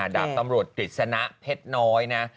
ดับตำรวจติดสนะเพชรน้อย